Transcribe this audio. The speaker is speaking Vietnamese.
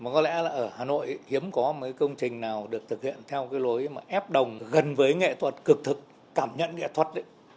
có lẽ ở hà nội hiếm có công trình nào được thực hiện theo lối ép đồng gần với nghệ thuật cực thực cảm nhận nghệ thuật